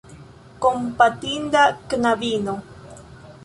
Kompatinda knabino!